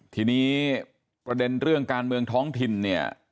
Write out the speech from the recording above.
ทีนี้ประเด็นเรื่องการเมืองท้องถิ่นเนี่ย